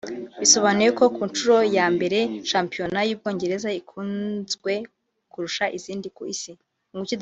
Bisobanuye ko ku nshuro ya mbere shampiyona y’u Bwongereza ikunzwe kurusha izindi ku Isi